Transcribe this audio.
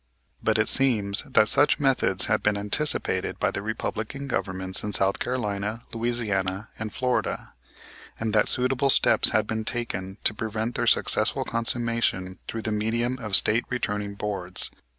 But it seems that such methods had been anticipated by the Republican governments in South Carolina, Louisiana, and Florida, and that suitable steps had been taken to prevent their successful consummation through the medium of State Returning Boards.